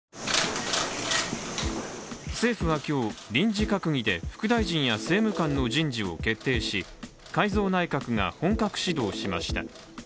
政府は今日、臨時閣議で副大臣や政務官の人事を決定し改造内閣が本格始動しました。